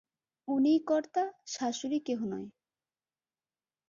উনিই কর্তা, শাশুড়ি কেহ নয়!